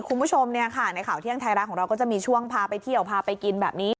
คุณผู้ชมเนี่ยค่ะในข่าวเที่ยงไทยรัฐของเราก็จะมีช่วงพาไปเที่ยวพาไปกินแบบนี้